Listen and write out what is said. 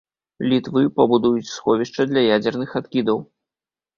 Літвы, пабудуюць сховішча для ядзерных адкідаў.